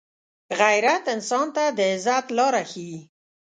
غیرت انسان ته د عزت لاره ښيي